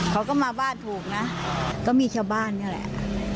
เขาก็มาบ้านถูกนะก็มีชาวบ้านนี่แหละ